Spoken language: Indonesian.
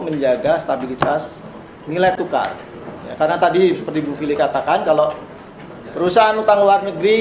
menjaga stabilitas nilai tukar karena tadi seperti bu fili katakan kalau perusahaan utang luar negeri